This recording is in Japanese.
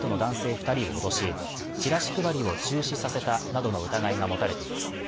二人を脅しチラシ配りを中止させたなどの疑いが持たれています